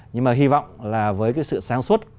nhưng mà hy vọng là với cái sự sáng suốt